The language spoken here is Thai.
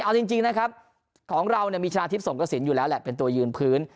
เอาจริงนะครับของเรามีชนะทิพย์สงกระสินอยู่แล้วแหละเป็นตัวยืนพื้น